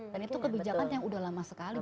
dan itu kebijakan yang udah lama sekali